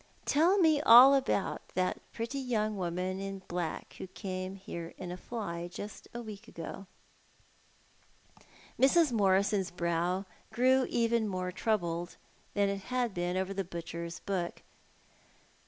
"Tell me all about that pretty young woman in black who came here in a fly just a week ago." Mrs. iMorison's brow grew even more troubled than it had been over the butcher's book.